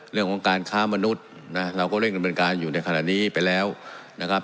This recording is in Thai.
เรื่องของการค้ามนุษย์นะเราก็เร่งดำเนินการอยู่ในขณะนี้ไปแล้วนะครับ